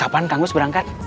kapan kang gus berangkat